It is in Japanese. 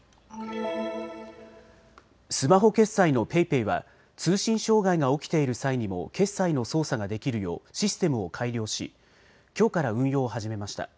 スマホ決済のＰａｙＰａｙは通信障害が起きている際にも決済の操作ができるようシステムを改良し、きょうから運用を始めました。